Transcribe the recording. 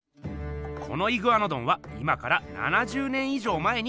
このイグアノドンは今から７０年以上前に描かれました。